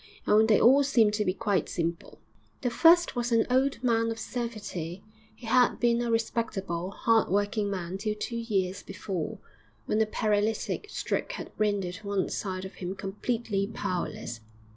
And they all seem to be quite simple.' V The first was an old man of seventy; he had been a respectable, hard working man till two years before, when a paralytic stroke had rendered one side of him completely powerless.